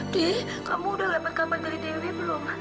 de kamu udah dapat kabar dari dewi belum